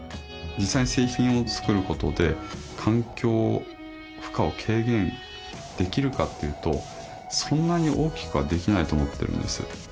実際に製品を作ることで環境負荷を軽減できるかっていうとそんなに大きくはできないと思ってるんですよ